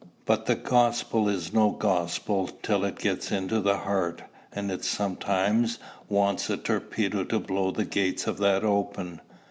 But the gospel is no gospel till it gets into the heart, and it sometimes wants a torpedo to blow the gates of that open."